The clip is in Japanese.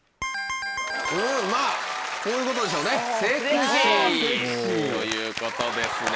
まぁこういうことでしょうねセクシー。ということですね。